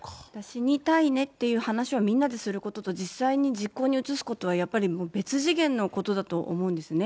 死にたいねって話をみんなですることと、実際に実行に移すことはやっぱり別次元のことだと思うんですね。